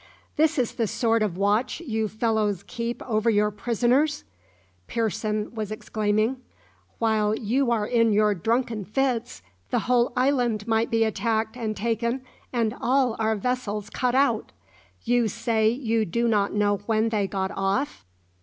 "This is the sort of watch you fellows keep over your prisoners!" Pearson was exclaiming. "While you are in your drunken fits the whole island might be attacked and taken, and all our vessels cut out. You say you do not know when they got off?